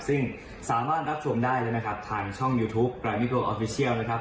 ซึ่งสามารถรับชมได้เลยนะครับทางช่องยูทูปรายมิโกออฟฟิเชียลนะครับ